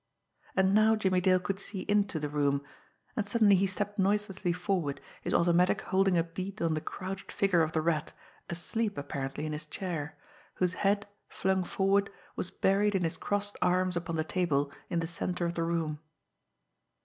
And now Jimmie Dale could see into the room and suddenly he stepped noiselessly forward, his automatic holding a bead on the crouched figure of the Rat, asleep apparently in his chair, whose head, flung forward, was buried in his crossed arms upon the table in the centre of the room.